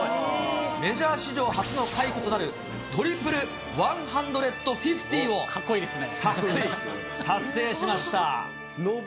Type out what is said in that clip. メジャー史上初の快挙となるトリプルワンハンドレッドフィフティを達成しました。